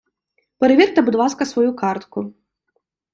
Перевірте, будь ласка, свою картку!